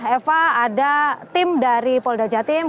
eva ada tim dari polda jawa timur